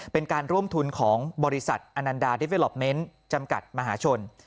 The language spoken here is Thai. เป็นการร่วมทุนของบริษัทอนันดาดิเฟลอปเมนต์จำกัดมหาชน